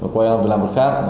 quay về làm vật khác